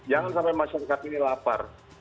jangan sampai masyarakat ini lapar